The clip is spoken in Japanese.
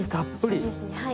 そうですねはい。